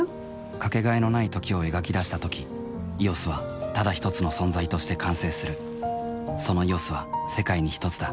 かけがえのない「時」を描き出したとき「ＥＯＳ」はただひとつの存在として完成するその「ＥＯＳ」は世界にひとつだ